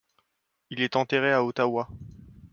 Il est enterré à Ottawa.